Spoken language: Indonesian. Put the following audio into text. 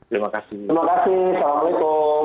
terima kasih assalamualaikum